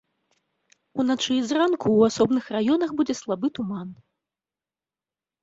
Уначы і зранку ў асобных раёнах будзе слабы туман.